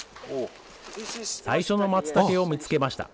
最初のまつたけを見つけました。